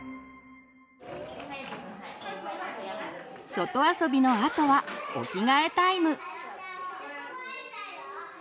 外遊びのあとはお着替えタイム。